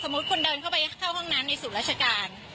สมมุติคุณเดินเข้าไปเข้าห้องนั้นในสู่รัชกาล